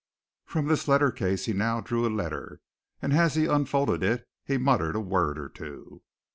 From this letter case he now drew a letter, and as he unfolded it he muttered a word or two.